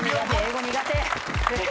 英語苦手！